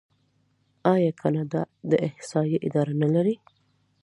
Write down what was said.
آیا کاناډا د احصایې اداره نلري؟